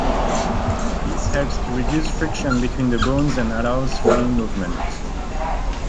This helps to reduce friction between the bones and allows free movement.